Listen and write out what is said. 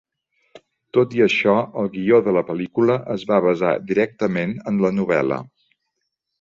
Tot i això, el guió de la pel·lícula es va basar directament en la novel·la.